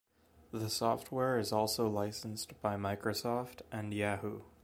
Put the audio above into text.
The software is also licensed by Microsoft and Yahoo.